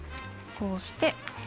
こうして。